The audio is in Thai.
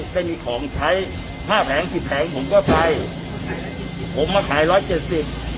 ได้มีของใช้ห้าแผงสิบแผงผมก็ไปผมมาขายร้อยเจ็ดสิบ